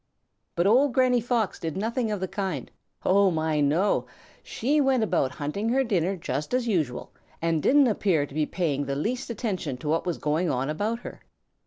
But old Granny Fox did nothing of the kind. Oh, my, no! She went about hunting her dinner just as usual and didn't appear to be paying the least attention to what was going on about her.